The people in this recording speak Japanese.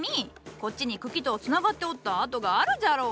こっちに茎とつながっておった跡があるじゃろう。